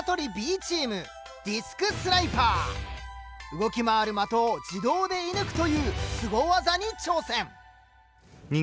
動き回る的を自動で射ぬくというすご技に挑戦！